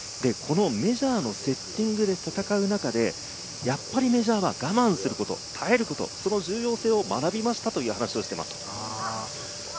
メジャーのセッティングで戦う中で、やっぱりメジャーは我慢すること、耐えること、その重要性を学びましたと話しています。